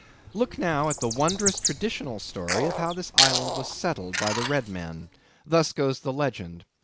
Look now at the wondrous traditional story of how this island was settled by the red men. Thus goes the legend.